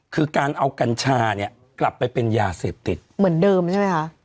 คือการเอากัญชาเนี่ยกลับไปเป็นยาเสพติดเหมือนเดิมใช่ไหมคะ